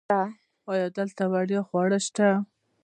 ایا دلته وړیا خواړه شته؟